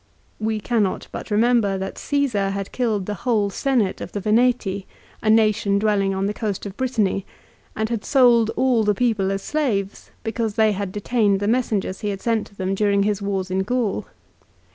We cannot but remember that Caesar had killed the whole Senate of the Veneti, a nation dwelling on the coast of Brittany, and had sold all the people as slaves, because they had detained the messengers he had sent to them during his wars in Gaul.